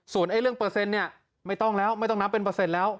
ส่วนเรื่องเปอร์เซ็นต์เนี่ยไม่ต้องแล้วไม่ต้องนับเป็นเปอร์เซ็นต์แล้ว